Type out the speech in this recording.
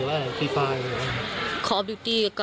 แต่ก็เหมือนกับว่าจะไปดูของเพื่อนแล้วก็ค่อยทำส่งครูลักษณะประมาณนี้นะคะ